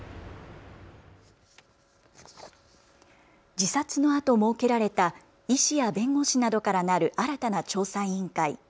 自殺のあと設けられた医師や弁護士などからなる新たな調査委員会。